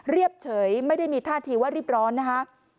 เฉยไม่ได้มีท่าทีว่ารีบร้อนนะคะ